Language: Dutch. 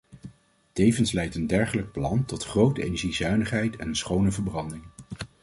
Tevens leidt een dergelijk plan tot grote energiezuinigheid en een schone verbranding.